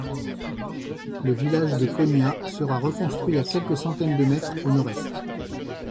Le village de Cognat sera reconstruit à quelques centaines de mètres au nord-est.